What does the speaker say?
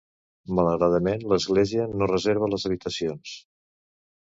Malauradament, l'Església no reserva les habitacions.